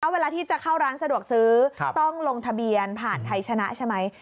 เวลาที่จะเข้าร้านสะดวกซื้อต้องลงทะเบียนผ่านไทยชนะใช่ไหม